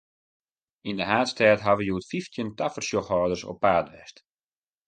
Yn de haadstêd hawwe hjoed fyftjin tafersjochhâlders op paad west.